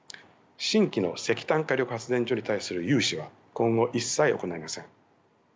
新規の石炭火力発電所に対する融資は今後一切行いません。